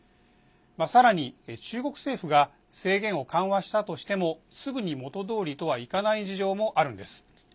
さらに、中国政府が制限を緩和したとしてもすぐに元どおりとはいかない事情もあるんです。